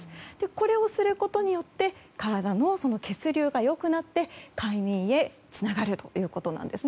これをすることによって体の血流が良くなって快眠へつながるということなんです。